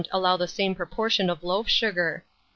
allow the same proportion of loaf sugar.